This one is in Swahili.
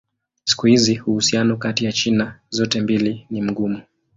Siku hizi uhusiano kati ya China zote mbili ni mgumu.